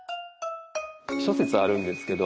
諸説あるんですけど。